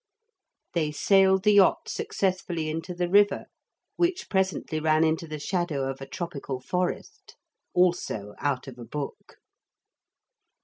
They sailed the yacht successfully into the river which presently ran into the shadow of a tropical forest. Also out of a book.